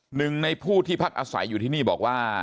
หนึ่งในผู้ที่พักอาศัยอยู่ที่นี่บอกว่า